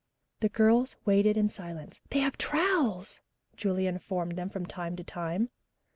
The girls waited in silence. "They have trowels," Julia informed them from time to time.